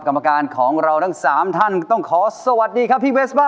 กรรมาการของเรานังสามท่านก็ต้องขอสวัสดีครับ